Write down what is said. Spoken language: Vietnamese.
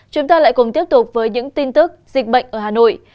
chúng ta lại cùng tiếp tục với những tin tức dịch bệnh ở hà nội